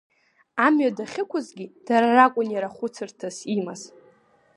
Амҩа дахьықәызгьы дара ракәын иара хәыцырҭас имаз.